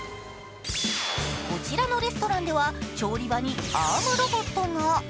こちらのレストランでは調理場にアームロボットが。